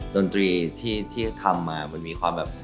ดนตรีที่ทำมามันมีความแบบ